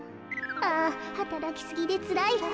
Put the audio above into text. あはたらきすぎでつらいわ。